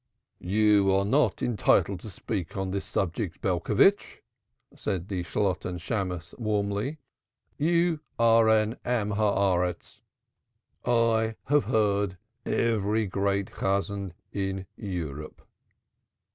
'" "You are not entitled to speak on this subject, Belcovitch," said the Shalotten Shammos warmly. "You are a Man of the Earth. I have heard every great Chazan in Europe."